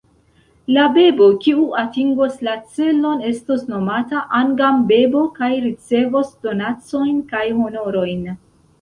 La bebo, kiu atingos la celon estos nomata "Angam-bebo" kaj ricevos donacojn kaj honorojn.